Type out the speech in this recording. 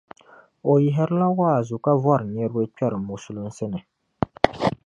O yihirila waazu ka vɔri niriba kpɛri Musulinsi ni